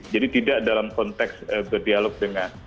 jadi tidak dalam konteks berdialog dengan